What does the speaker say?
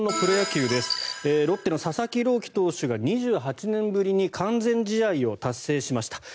ロッテの佐々木朗希投手が２８年ぶりに完全試合を達成しました。